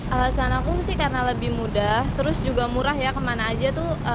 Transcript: alasan aku sih karena lebih mudah terus juga murah ya kemana aja tuh